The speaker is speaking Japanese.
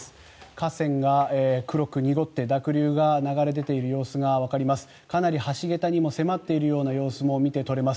河川が黒く濁って濁流が流れ出ている様子がわかります。